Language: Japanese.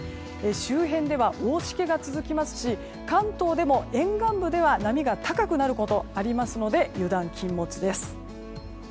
周辺では大しけが続きますし関東でも沿岸部では波が高くなることありますので油断禁物です。